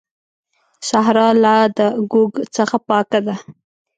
صحرا لا د ږوږ څخه پاکه ده.